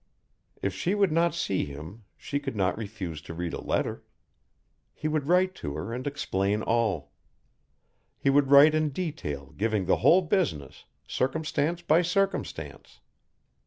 If she would not see him she could not refuse to read a letter. He would write to her and explain all. He would write in detail giving the whole business, circumstance by circumstance.